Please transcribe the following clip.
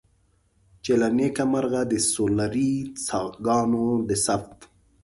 چې له نیکه مرغه د سولري څاګانو د ثبت.